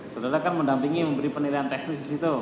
sudah lah kan mendampingi memberi penilaian teknis disitu